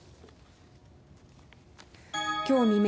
今日未明